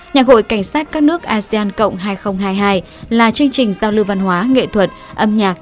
nhạc hội cảnh sát các nước asean cộng hai nghìn hai mươi hai là chương trình giao lưu văn hóa nghệ thuật âm nhạc